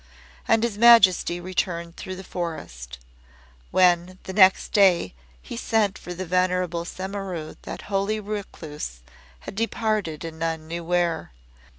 And His Majesty returned through the forest. When, the next day, he sent for the venerable Semimaru that holy recluse had departed and none knew where.